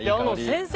先生